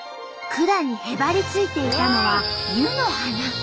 管にへばりついていたのは湯の花。